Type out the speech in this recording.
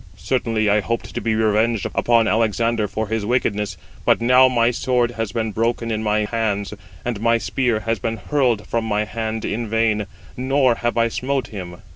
Certainly I hoped to be revenged upon Alexander for his wickedness: but now my sword has been broken in my hands, and my spear has been hurled from my hand in vain, nor have I smote him."